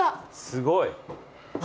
すごい。